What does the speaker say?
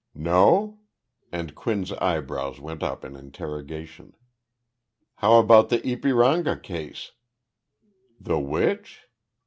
"No?" and Quinn's eyebrows went up in interrogation. "How about the Ypiranga case?" "The which?"